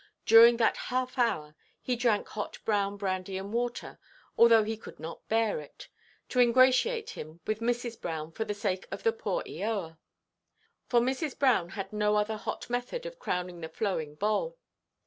During that half–hour he drank hot brown brandy–and–water, although he could not bear it, to ingratiate him with Mrs. Brown for the sake of the poor Eoa. For Mrs. Brown had no other hot method of crowning the flowing bowl.